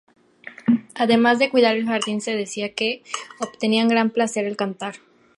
Además de cuidar del jardín, se decía que obtenían gran placer al cantar.